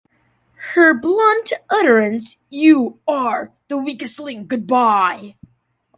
Her blunt utterance "You "are" the weakest link - goodbye!